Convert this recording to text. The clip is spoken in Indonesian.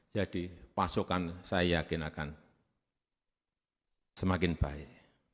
pasokan saya yakin akan semakin baik